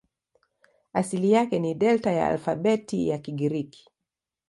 Asili yake ni Delta ya alfabeti ya Kigiriki.